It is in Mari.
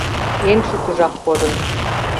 — Эн шукыжак кодын.